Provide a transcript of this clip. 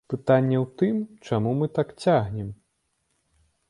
Пытанне ў тым, чаму мы так цягнем?